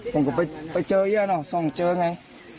ผมก็ไปเจอน่ะส่งเจอไง